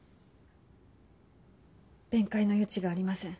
弁解の余地がありません。